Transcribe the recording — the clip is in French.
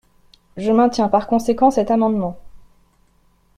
Je maintiens par conséquent cet amendement.